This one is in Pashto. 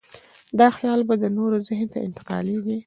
دا خیال بیا د نورو ذهن ته انتقالېږي.